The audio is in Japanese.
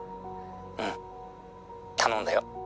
「うん頼んだよ」